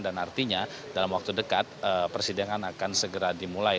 dan artinya dalam waktu dekat persidangan akan segera dimulai